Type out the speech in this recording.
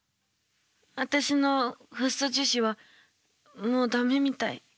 私のフッ素樹脂はもう駄目みたい。